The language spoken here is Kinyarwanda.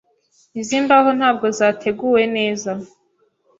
Izi mbaho ntabwo zateguwe neza.